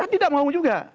tidak mau juga